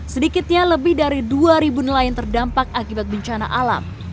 sedikitnya lebih dari dua ribu nelayan terdampak akibat bencana alam